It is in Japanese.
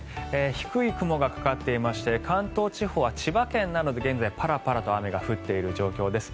低い雲がかかっていまして関東地方は千葉県などで現在、パラパラと雨が降っている状況です。